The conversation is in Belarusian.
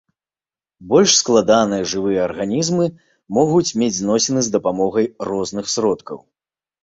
Больш складаныя жывыя арганізмы могуць мець зносіны з дапамогай розных сродкаў.